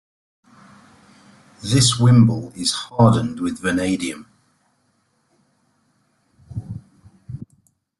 This wimble is hardened with vanadium.